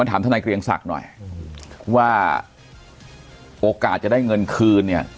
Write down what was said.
ถามทนายเกรียงศักดิ์หน่อยว่าโอกาสจะได้เงินคืนเนี่ย